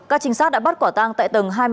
các trinh sát đã bắt quả tang tại tầng hai mươi